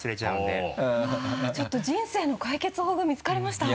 わっちょっと人生の解決法が見つかりました。